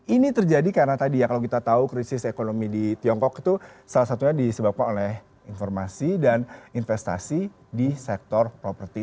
ini terjadi karena tadi ya kalau kita tahu krisis ekonomi di tiongkok itu salah satunya disebabkan oleh informasi dan investasi di sektor properti